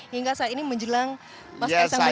hingga saat ini menjelang mas keesang menikah